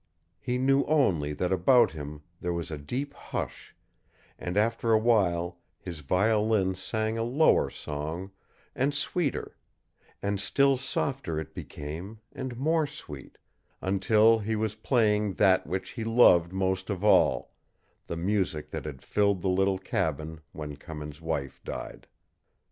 He knew only that about him there was a deep hush, and after a while his violin sang a lower song, and sweeter; and still softer it became, and more sweet, until he was playing that which he loved most of all the music that had filled the little cabin when Cummins' wife died.